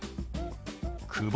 「久保」。